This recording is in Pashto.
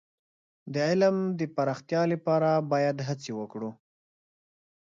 د علم د پراختیا لپاره هڅې باید وکړو.